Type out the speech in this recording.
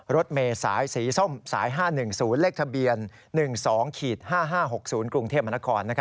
รถเมษายสีส้มสาย๕๑๐เลขทะเบียน๑๒๕๕๖๐กรุงเทพมนคร